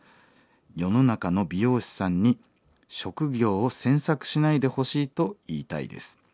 世の中の美容師さんに職業を詮索しないでほしいと言いたいです。